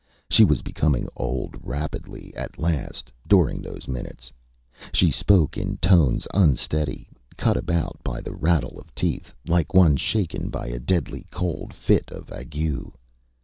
She was becoming old rapidly at last, during those minutes. She spoke in tones unsteady, cut about by the rattle of teeth, like one shaken by a deadly cold fit of ague.